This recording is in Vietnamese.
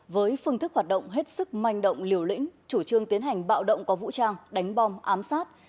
với phương thức hoạt động hết sức manh động liều lĩnh chủ trương tiến hành bạo động có vũ trang đánh bom ám sát